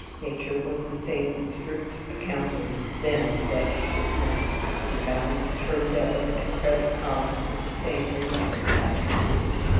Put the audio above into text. Nature was the same strict accountant then that she is now, and balanced her debit and credit columns with the same relentless accuracy.